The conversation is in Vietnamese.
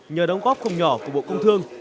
nhờ đóng góp không nhỏ của bộ công thương